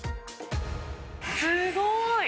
すごーい！